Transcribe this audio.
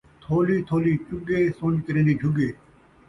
تھولی تھولی چڳے، سنڄ کریندی جھڳے